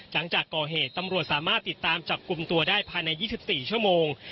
หลังจากก่อเหตุตำรวจสามารถติดตามจับกลุ่มตัวได้ภายใน๒๔ชั่วโมง